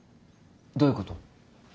どういうこと？